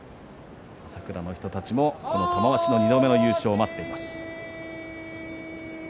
朝倉の人たちも玉鷲の２度目の優勝を待っています。